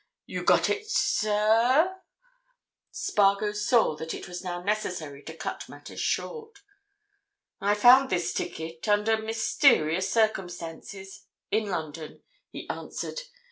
You got it, sir—" Spargo saw that it was now necessary to cut matters short. "I found this ticket—under mysterious circumstances—in London," he answered.